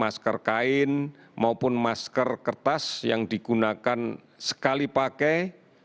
masker kain maupun masker kertas yang digunakan sekali pakai